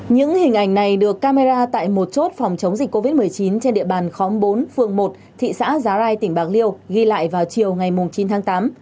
những hình ảnh này được camera tại một chốt phòng chống dịch covid một mươi chín trên địa bàn khóm bốn phường một thị xã giá rai tỉnh bạc liêu ghi lại vào chiều ngày chín tháng tám